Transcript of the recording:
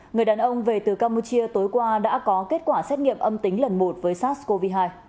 người đàn ông về từ campuchia tối qua đã có kết quả xét nghiệm âm tính lần một với sars cov hai